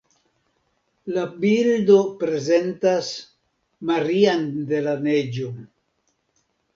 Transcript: La bildo prezentas Marian de la Neĝo.